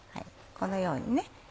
このようにね。